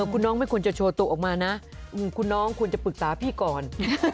คุณน้องไม่ควรจะโชว์ตัวออกมานะคุณน้องควรจะปรึกษาพี่ก่อน